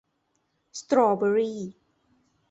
สตรอว์เบอร์รี่